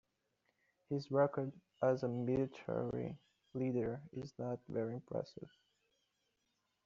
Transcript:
His record as a military leader is not very impressive.